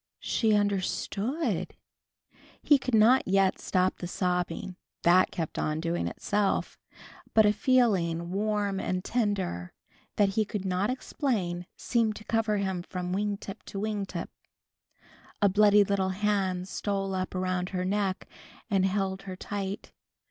She understood! He could not yet stop the sobbing. That kept on, doing itself. But a feeling, warm and tender that he could not explain, seemed to cover him "from wing tip to wing tip!" A bloody little hand stole up around her neck and held her tight.